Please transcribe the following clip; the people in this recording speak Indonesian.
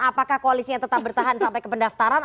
apakah koalisinya tetap bertahan sampai ke pendaftaran